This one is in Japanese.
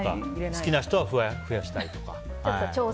好きな人は増やしたりとか。